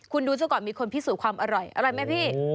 คุณดูซะก่อนมีคนพิสูจน์ความอร่อยอร่อยไหมพี่